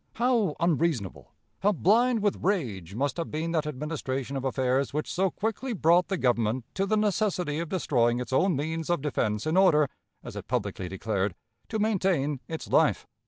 How unreasonable, how blind with rage must have been that administration of affairs which so quickly brought the Government to the necessity of destroying its own means of defense in order, as it publicly declared, "to maintain its life"!